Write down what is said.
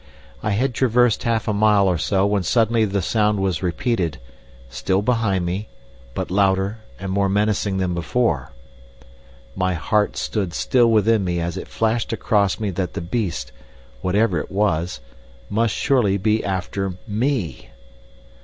I had traversed half a mile or so when suddenly the sound was repeated, still behind me, but louder and more menacing than before. My heart stood still within me as it flashed across me that the beast, whatever it was, must surely be after ME.